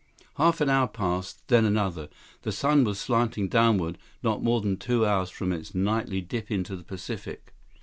Half an hour passed; then another. The sun was slanting downward, not more than two hours from its nightly dip into the Pacific.